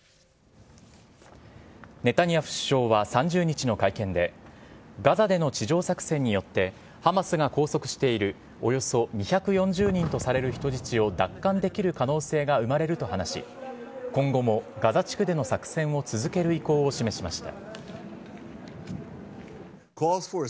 ネタニヤフ首相は３０日の会見で、ガザでの地上作戦によって、ハマスが拘束しているおよそ２４０人とされる人質を奪還できる可能性が生まれると話し、今後もガザ地区での作戦を続ける意向を示しました。